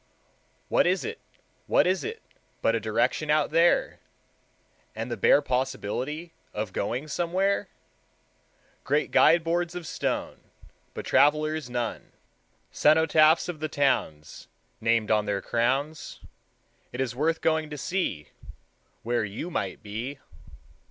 What is it, what is it But a direction out there, And the bare possibility Of going somewhere? Great guide boards of stone, But travelers none; Cenotaphs of the towns Named on their crowns. It is worth going to see Where you might be.